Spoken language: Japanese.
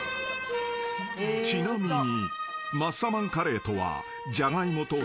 ［ちなみに］